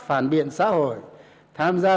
phản biện xã hội tham gia